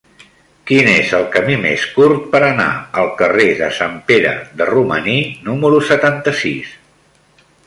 Quin és el camí més curt per anar al carrer de Sant Pere de Romaní número setanta-sis?